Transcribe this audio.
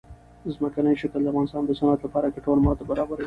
ځمکنی شکل د افغانستان د صنعت لپاره ګټور مواد برابروي.